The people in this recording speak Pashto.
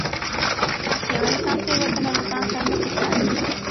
پوه انسان تېروتنه له ځان سره نه تکراروي.